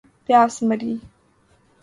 پیاس مری